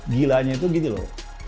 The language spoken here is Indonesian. gilaannya itu gitu loh